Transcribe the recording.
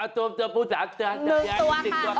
ตัวผู้๓ตัวอีก๑ตัวครับ